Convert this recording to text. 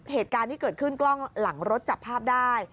เหตุการณ์ที่เกิดขึ้นกล้องหลังรถจับภาพได้